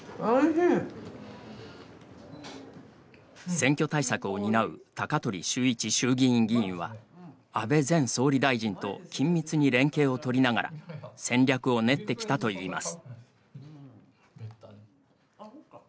選挙対策を担う高鳥修一衆議院議員は安倍前総理大臣と緊密に連携を取りながら戦略を練ってきたといいます。